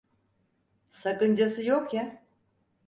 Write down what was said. Sakıncası yok ya?